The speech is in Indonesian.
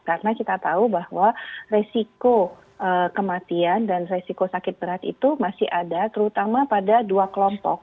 karena kita tahu bahwa resiko kematian dan resiko sakit berat itu masih ada terutama pada dua kelompok